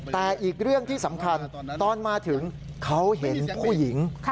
แต่อีกเรื่องที่สำคัญตอนมาถึงเขาเห็นผู้หญิง